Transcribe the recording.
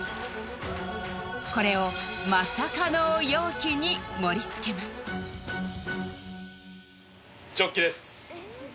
これをマサかの容器に盛りつけますジョッキ？